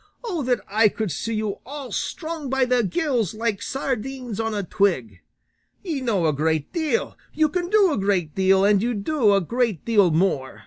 O that I could see you all strung by the gills, like sardines on a twig! Ye know a great deal, ye can do a great deal, and ye do a great deal more.